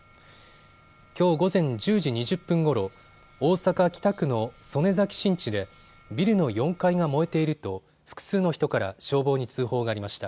きょう午前１０時２０分ごろ、大阪北区の曽根崎新地でビルの４階が燃えていると複数の人から消防に通報がありました。